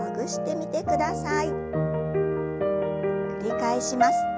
繰り返します。